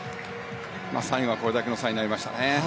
最後はこれだけの差になりましたね。